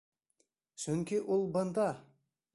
Сөнки ул бында!